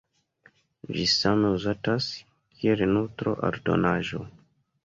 Ĝi same uzatas kiel nutro-aldonaĵo.